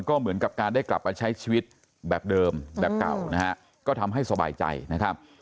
ก็เหมือนกับการได้กลับมาใช้ชีวิตแบบเดิมแบบเก่านะฮะก็ทำให้สบายใจนะครับ